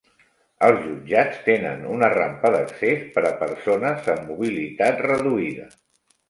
Els jutjats tenen una rampa d'accés per a persones amb mobilitat reduïda.